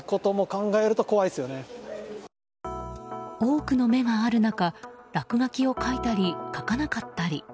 多くの目がある中落書きを書いたり書かなかったり。